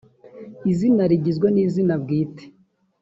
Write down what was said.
izina rigizwe n izina bwite